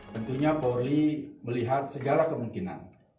tentunya polri melihat segala kemungkinan